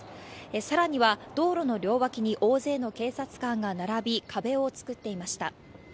さらには、道路の両脇に大勢の警察官が並び、壁を作っていました。